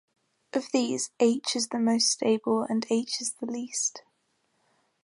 Of these, H is the most stable, and H is the least.